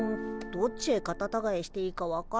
どっちへカタタガエしていいか分からないし。